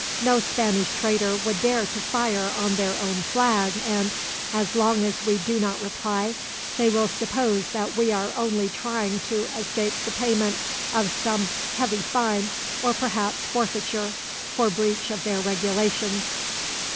No Spanish trader would dare to fire on their own flag and, as long as we do not reply, they will suppose that we are only trying to escape the payment of some heavy fine, or perhaps forfeiture, for breach of their regulations.